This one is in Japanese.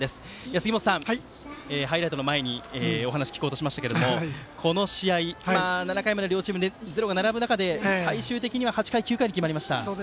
杉本さん、ハイライトの前にお話聞こうとしましたけどこの試合、７回まで両チーム、ゼロが並ぶ中で最終的には８回、９回に決まりました。